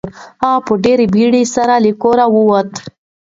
هغه په ډېرې بیړې سره له کوره ووت.